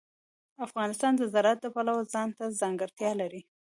افغانستان د زراعت د پلوه ځانته ځانګړتیا لري.